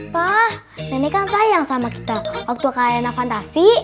pa nenek kan sayang sama kita waktu kalena fantasi